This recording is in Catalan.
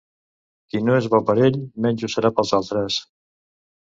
Qui no és bo per ell, menys ho serà pels altres.